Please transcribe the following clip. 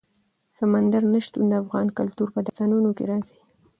سمندر نه شتون د افغان کلتور په داستانونو کې راځي.